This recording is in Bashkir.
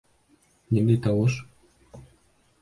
Ниндәй тауыш?